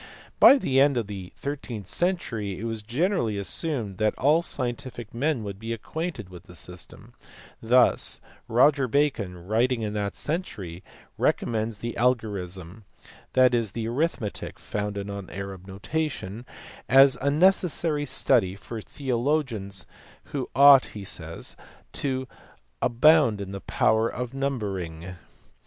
By the end of the thirteenth century it was generally assumed that all scientific men would be acquainted with the system: thus Roger Bacon writing in that century recommends the algorism (that is, the arithmetic founded on the Arab notation) as a necessary study for theologians who ought he says "to abound in the power of numbering."